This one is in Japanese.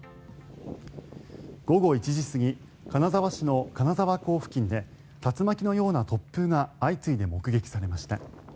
午後１時過ぎ金沢市の金沢港付近で竜巻のような突風が相次いで目撃されました。